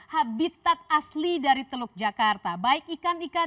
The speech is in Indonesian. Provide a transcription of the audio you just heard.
ketika kita mengambil alasan yang ada di banten